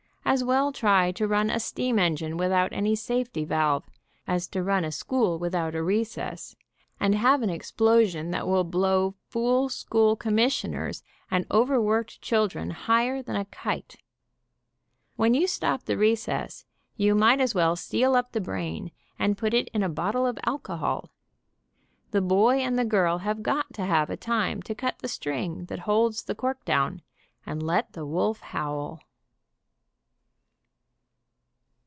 As well try to run a steam engine without any safety valve, as to run a school without a recess, and have an explosion that will blow 152 THE TURKISH BATH AT HOME fool school commissioners and overworked chil dren higher than a kite. When you stop the recess you might as well seal up the brain, and put it in a bottle of alcohol. The boy and the girl have got to have a time to cut the string that holds the cork down, and let the wolf howl.